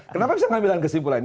kenapa bisa ngambil kesimpulannya